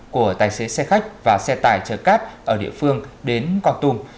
của tài xế xe khách và xe tải chở cát ở địa phương đến con tum